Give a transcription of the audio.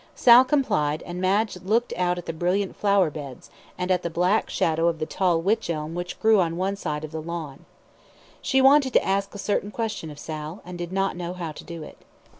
Sal complied, and Madge looked out at the brilliant flower beds, and at the black shadow of the tall witch elm which grew on one side of the lawn. She wanted to ask a certain question of Sal, and did not know how to do it.